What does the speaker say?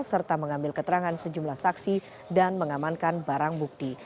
serta mengambil keterangan sejumlah saksi dan mengamankan barang bukti